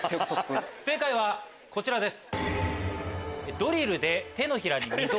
正解はこちらです。